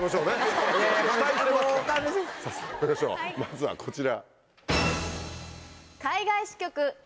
まずはこちら。